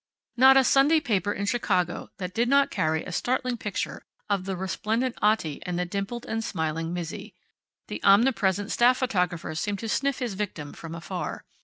Not a Sunday paper in Chicago that did not carry a startling picture of the resplendent Otti and the dimpled and smiling Mizzi. The omnipresent staff photographer seemed to sniff his victim from afar.